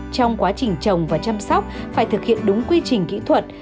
trong quá trình trồng và chăm sóc phải thực hiện đúng quy trình kỹ thuật